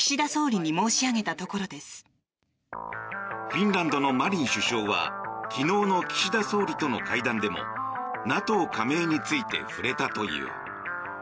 フィンランドのマリン首相は昨日の岸田総理との会談でもＮＡＴＯ加盟について触れたという。